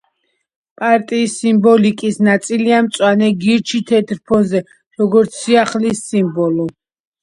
პარტიის სიმბოლიკის ნაწილია მწვანე გირჩი თეთრ ფონზე, როგორც სიახლის სიმბოლო.